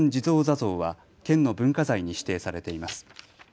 坐像は県の文化財に指定されています。